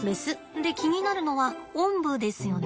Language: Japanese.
で気になるのはおんぶですよね。